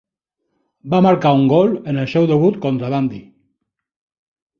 Va marcar un gol en el seu debut contra Dundee.